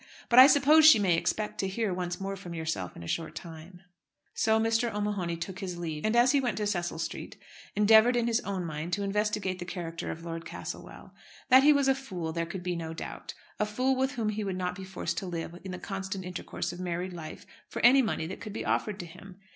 But I suppose she may expect to hear once more from yourself in a short time." So Mr. O'Mahony took his leave, and as he went to Cecil Street endeavoured in his own mind to investigate the character of Lord Castlewell. That he was a fool there could be no doubt, a fool with whom he would not be forced to live in the constant intercourse of married life for any money that could be offered to him.